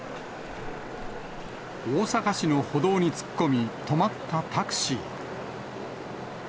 大阪市の歩道に突っ込み、止まったタクシー。